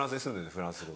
フランス語で。